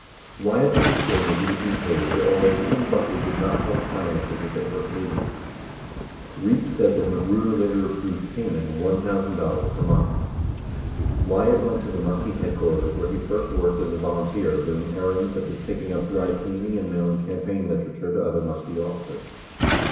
Wyatt understood that he would be paid, although he and Buckley did not talk finances at their first meet ing. Rietz said that Magruder later approved payment of $1,000 per month. 17 Wyatt went to the Muskie headquarters where he first worked as a volunteer doing errands such as picking up dry cleaning and mail ing campaign literature to other Muskie offices.